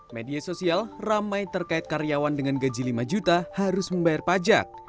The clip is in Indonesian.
media sosial ramai terkait karyawan dengan gaji lima juta harus membayar pajak